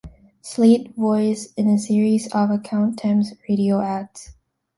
Slate voice" in a series of "Accountemps" radio ads.